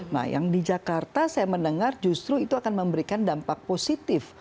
nah yang di jakarta saya mendengar justru itu akan memberikan dampak positif